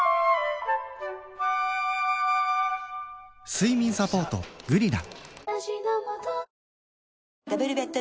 睡眠サポート「グリナ」